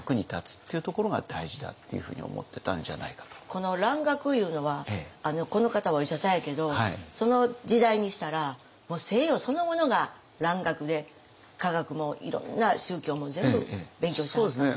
この蘭学いうのはこの方はお医者さんやけどその時代にしたらもう西洋そのものが蘭学で科学もいろんな宗教も全部勉強してはったんですかね。